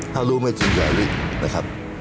ถ้ารู้ไม่จริงจะหลีกนะครับ